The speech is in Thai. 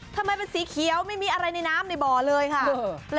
ทำไมเป็นสีเขียวไม่มีอะไรในน้ำในบ่อเลยค่ะ